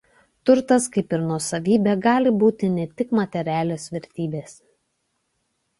Turtas kaip ir nuosavybė gali būti ne tik materialios vertybės.